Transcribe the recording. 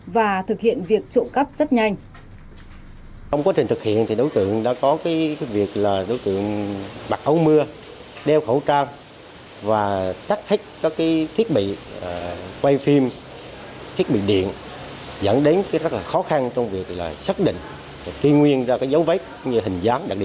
và thực hiện việc trộm cắp rất nhanh